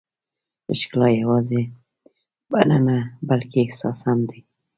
ښکلا یوازې بڼه نه، بلکې احساس هم دی.